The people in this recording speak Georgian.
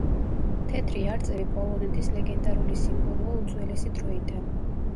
თეთრი არწივი პოლონეთის ლეგენდარული სიმბოლოა უძველესი დროიდან.